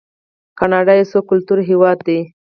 کاناډا یو څو کلتوری هیواد دی.